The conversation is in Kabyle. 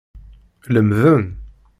Lemden.